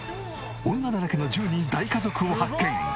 女だらけの１０人大家族を発見。